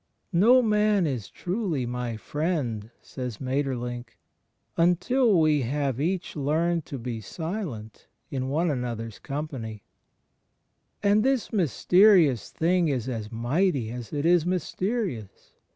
" No man is truly my friend," says Maeterlinck, "imtil we have each learned to be silent in one another's company." And this mysterious thing is as mighty as it is mys terious.